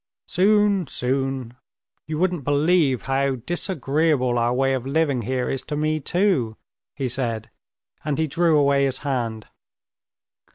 "Soon, soon. You wouldn't believe how disagreeable our way of living here is to me too," he said, and he drew away his hand.